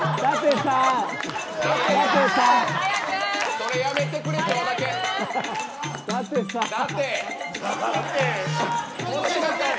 それやめてくれ、舘。